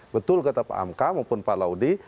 betul kata pak amka maupun pak laudi